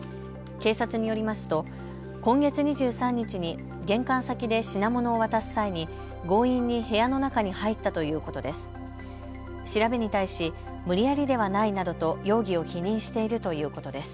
警察によりますと今月２３日に玄関先で品物を渡す際に強引に部屋の中に入ったということです。